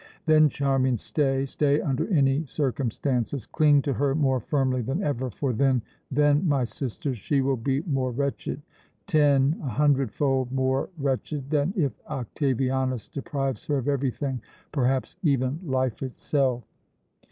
Then, Charmian, stay, stay under any circumstances, cling to her more firmly than ever, for then, then, my sister, she will be more wretched ten, a hundred fold more wretched than if Octavianus deprives her of everything, perhaps even life itself."